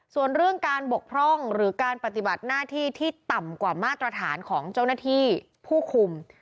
ส่วนเรื่องการบกพร่องหรือการปฏิบัติหน้าที่ที่ต่ำกว่ามาตรฐานของเจ้าหน้าที่ผู้คุม